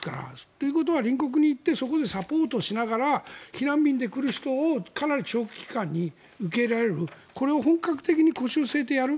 ということは隣国に行ってそこをサポートしながら避難民で来る人をかなり長期期間に受け入れられるこれを本格的に腰を据えてやる。